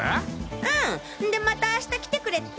うんでまた明日来てくれって。